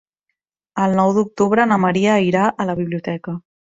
El nou d'octubre na Maria irà a la biblioteca.